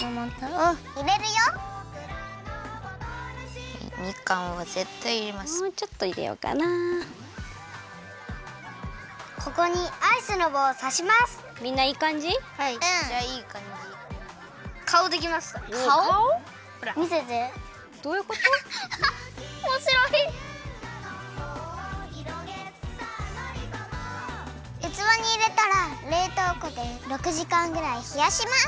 うつわにいれたられいとうこで６じかんぐらいひやします。